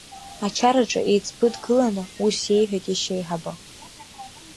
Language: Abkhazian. Ачараҿы еиҵбы дыгыланы ус иеиҳәеит иашьа еиҳабы…